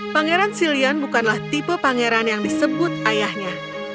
pangeran silian bukanlah tipe pangeran yang disebut ayahnya